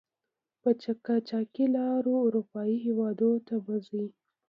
په قاچاقي لارو آروپایي هېودونو ته مه ځئ!